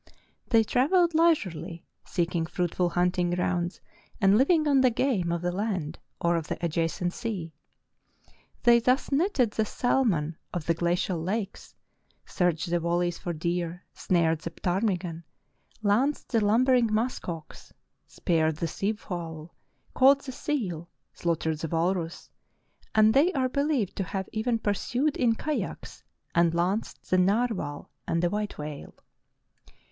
They travelled leisurely, seeking fruitful hunting grounds and living on the game of the land or of the adjacent sea. They thus netted the salmon of the gla cial lakes, searched the valleys for deer, snared the ptarmigan, lanced the lumbering musk ox, speared the sea fowl, caught the seal, slaughtered the walrus, and they are beHeved to have even pursued in kayaks and lanced the narwhal and the white whale.